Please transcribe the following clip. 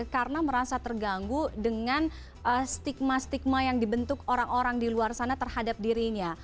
karena merasa terganggu dengan stigma stigma yang dibentuk orang orang di luar sana terhadap dirinya